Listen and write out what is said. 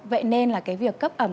vậy nên việc cấp ẩm